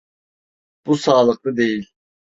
Bu sağlıklı değil.